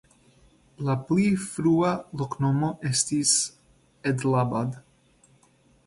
La pli frua loknomo estis "Edlabad".